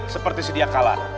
seperti si diakala